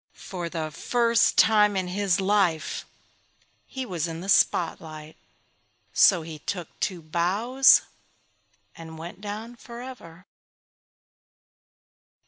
For the first time in his life he was in the spot light. So he took two bows and went down forever.